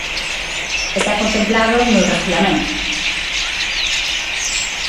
Está contemplado no Regulamento.